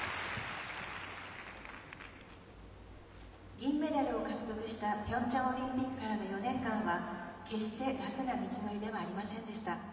銀メダルを獲得した平昌オリンピックからの４年間は、決して楽な道のりではありませんでした。